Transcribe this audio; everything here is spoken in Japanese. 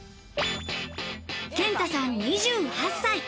健太さん、２８歳。